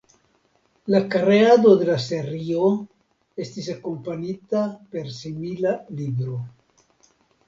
La kreado de la serio estis akompanita per simila libro.